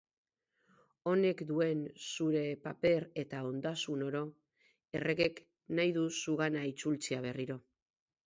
Honek duen zure paper eta ondasun oro Erregek nahi du zugana itzultzea berriro.